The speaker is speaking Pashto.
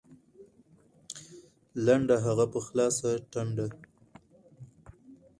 لنډه هغه په خلاصه ټنډه